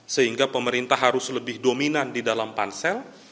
sehingga pemerintah harus lebih dominan di dalam pansel